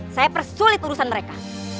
saya persulit urusan mereka